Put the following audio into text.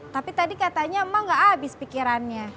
tapi tadi katanya mak gak abis pikirannya